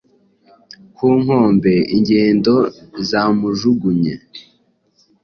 Ku nkombe -ingendo zamujugunye